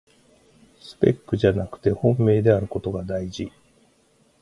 スペックじゃなくて本命であることがだいじ